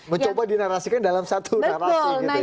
mencoba dinarasikan dalam satu narasi